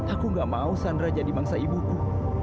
aku gak mau sandra jadi mangsa ibuku